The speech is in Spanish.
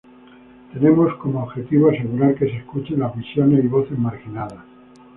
Tenemos como objetivo asegurar que se escuchen las visiones y voces marginadas.